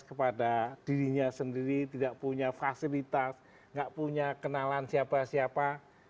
kepada dirinya sendiri tidak punya fasilitas tidak punya kenalan siapa siapa